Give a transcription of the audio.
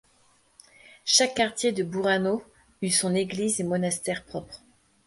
Chaque quartier de Burano eut son églises et monastère propre.